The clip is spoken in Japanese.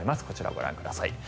こちらをご覧ください。